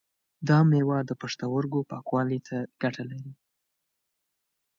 دا مېوه د پښتورګو پاکوالی ته ګټه لري.